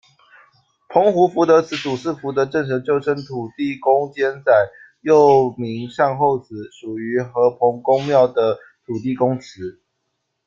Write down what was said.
澎湖福德祠，主祀福德正神，旧称土地公间仔，又名善后祠，属于阖澎公庙的土地公祠。